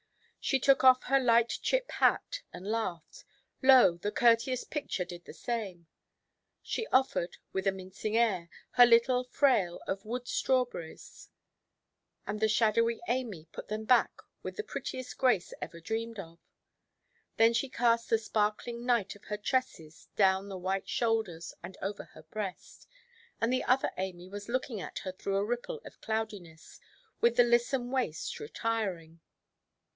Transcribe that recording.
She took off her light chip hat, and laughed; lo! the courteous picture did the same. She offered, with a mincing air, her little frail of wood–strawberries; and the shadowy Amy put them back with the prettiest grace ever dreamed of. Then she cast the sparkling night of her tresses down the white shoulders and over her breast; and the other Amy was looking at her through a ripple of cloudiness, with the lissom waist retiring.